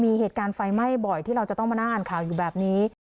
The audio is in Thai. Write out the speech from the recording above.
มีเหตุการณ์ไฟไหม้บ่อยที่เราจะต้องมานั่งอ่านข่าวอยู่แบบนี้